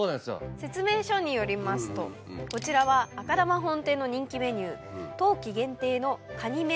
説明書によりますとこちらは赤玉本店の人気メニュー。